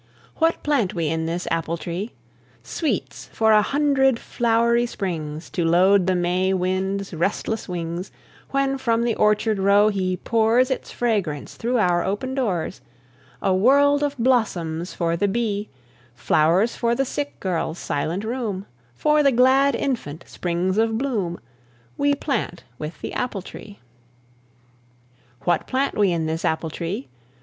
What plant we in this apple tree? Sweets for a hundred flowery springs, To load the May wind's restless wings, When, from the orchard row, he pours Its fragrance through our open doors; A world of blossoms for the bee, Flowers for the sick girl's silent room, For the glad infant sprigs of bloom, We plant with the apple tree. What plant we in this apple tree?